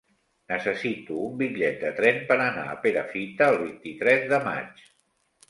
Necessito un bitllet de tren per anar a Perafita el vint-i-tres de maig.